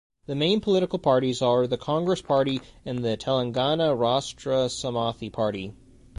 The main political parties are the Congress Party and the Telangana Rastra Samathi Party.